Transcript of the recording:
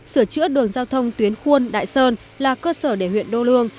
sửa chữa đường giao thông tuyến khuôn đại sơn là cơ sở để huyện đô lương